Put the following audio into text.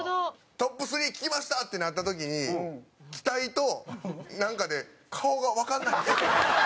トップ３聞きました！ってなった時に期待となんかで顔がわかんないんです。